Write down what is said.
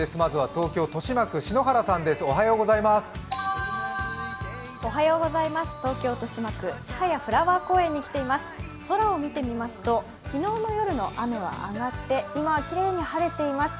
東京・豊島区、千原フラワー公園に来ています。